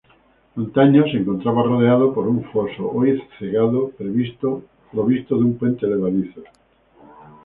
Antaño se encontraba rodeado por un foso, hoy cegado, provisto de un puente levadizo.